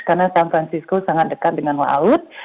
karena san francisco sangat dekat dengan laut